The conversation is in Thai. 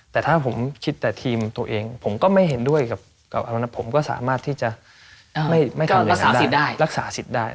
แต่ถ้าผมคิดแต่ทีมตัวเองผมก็ไม่เห็นด้วยกับอันนั้นผมก็สามารถที่จะรักษาสิทธิ์ได้